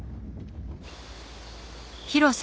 広さ